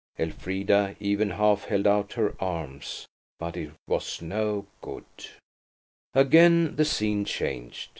Elfrida even half held out her arms; but it was no good. Again the scene changed.